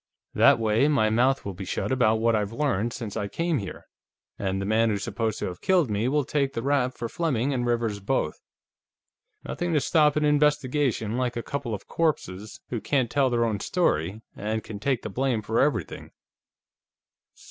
That way, my mouth will be shut about what I've learned since I came here, and the man who's supposed to have killed me will take the rap for Fleming and Rivers both. Nothing to stop an investigation like a couple of corpses who can't tell their own story and can take the blame for everything."